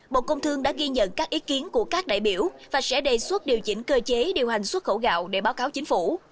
bộ công thương đã ghi nhận các ý kiến của các đại biểu và sẽ đề xuất điều chỉnh cơ chế điều hành xuất khẩu gạo để báo cáo chính phủ